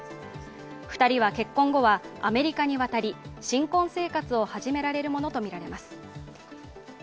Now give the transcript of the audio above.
２人は結婚後はアメリカに渡り新婚生活を始められるものとみられます。